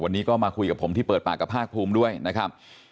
วันนี้ก็มาคุยกับผมที่เปิดปากกับภาคภูมิด้วยนะครับ